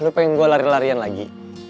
lu pengen gue lari larian lagi